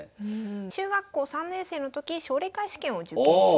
中学校３年生の時奨励会試験を受験します。